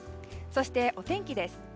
そしてお天気です。